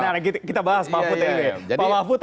nah kita bahas mahfud md